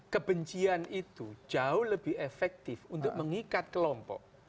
kebencian itu jauh lebih efektif untuk mengikat kelompok